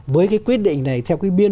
với cái quyết định này theo cái biên